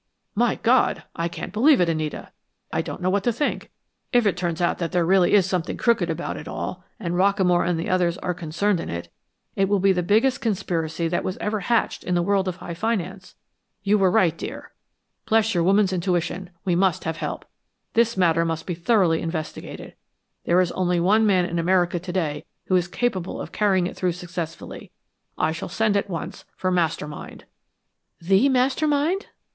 "My God! I can't believe it, Anita; I don't know what to think. If it turns out that there really is something crooked about it all, and Rockamore and the others are concerned in it, it will be the biggest conspiracy that was ever hatched in the world of high finance. You were right, dear, bless your woman's intuition; we must have help. This matter must be thoroughly investigated. There is only one man in America to day, who is capable of carrying it through, successfully. I shall send at once for the Master Mind." "The Master Mind?"